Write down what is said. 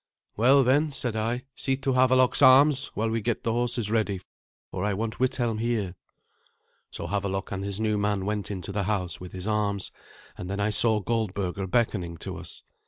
"Well, then," said I, "see to Havelok's arms, while we get the horses ready, for I want Withelm here." So Havelok and his new man went into the house with his arms, and then I saw Goldberga beckoning to us.